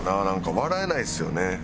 なんか笑えないですよね。